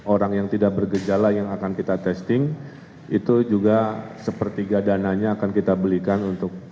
orang yang tidak bergejala yang akan kita testing itu juga sepertiga dananya akan kita belikan untuk